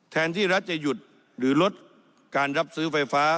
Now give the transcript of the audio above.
แทนที่รัฐจะหยุดหรือลดการรับซื้อไฟฟ้า